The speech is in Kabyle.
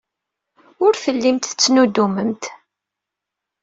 Ur tellimt tettnuddumemt.